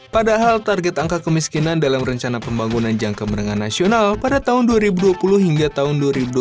padahal target angka kemiskinan dalam rencana pembangunan jangka menengah nasional pada tahun dua ribu dua puluh hingga tahun dua ribu dua puluh